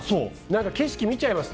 景色見ちゃいます。